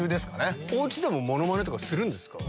おうちでもモノマネとかするんですか？